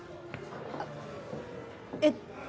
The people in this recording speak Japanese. あっえっ